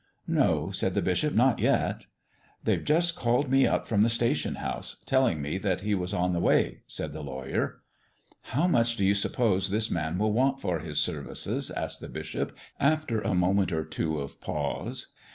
"No," said the bishop; "not yet." "They've just called me up from the station house, telling me that he was on the way," said the lawyer. "How much do you suppose this man will want for his services?" asked the bishop, after a moment or two of pause.